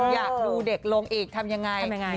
อยากดูเด็กลงอีกทำยังไง